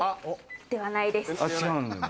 ではないです。